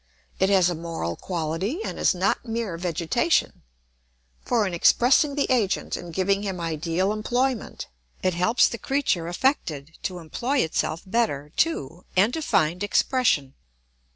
It has a moral quality and is not mere vegetation; for in expressing the agent and giving him ideal employment, it helps the creature affected to employ itself better, too, and to find expression.